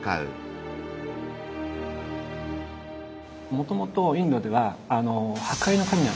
もともとインドでは「破壊の神」なんですね。